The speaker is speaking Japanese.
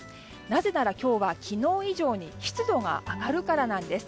なぜなら今日は昨日以上に湿度が上がるからです。